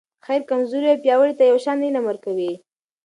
خير کمزورې او پیاوړي ته یو شان علم ورکوي.